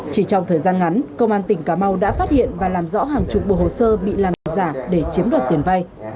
chỉ trong thời gian ngắn công an tỉnh cà mau đã phát hiện và làm rõ hàng chục bộ hồ sơ bị làm giả để chiếm đoạt tiền vay